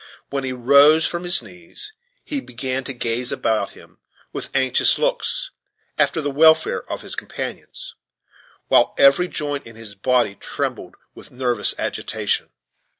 When he rose from his knees, he began to gaze about him, with anxious looks, after the welfare of his companions, while every joint in his body trembled with nervous agitation.